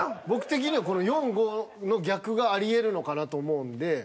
僕的には４５の逆がありえるのかなと思うんで。